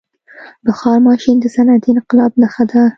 • بخار ماشین د صنعتي انقلاب نښه ده.